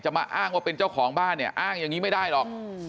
มาอ้างว่าเป็นเจ้าของบ้านเนี่ยอ้างอย่างนี้ไม่ได้หรอก